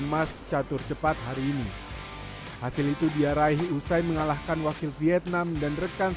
emas catur cepat hari ini hasil itu dia raih usai mengalahkan wakil vietnam dan rekan